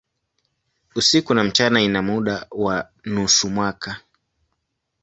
Usiku na mchana ina muda wa nusu mwaka.